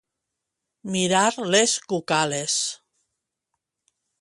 Mirar les cucales.